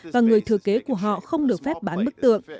và người thừa kế của họ không được phép bán bức tượng